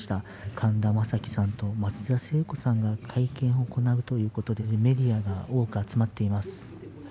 神田正輝さんと松田聖子さんが会見を行うということでメディアが多く集まっています。